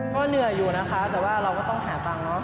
ก็เหนื่อยอยู่นะคะแต่ว่าเราก็ต้องหาตังค์เนาะ